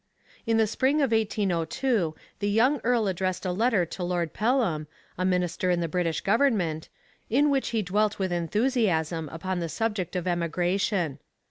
In the spring of 1802 the young earl addressed a letter to Lord Pelham, a minister in the British government, in which he dwelt with enthusiasm upon the subject of emigration.